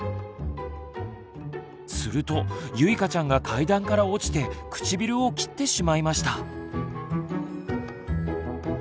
するとゆいかちゃんが階段から落ちて唇を切ってしまいました。